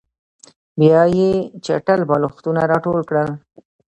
بیا یې چټل بالښتونه راټول کړل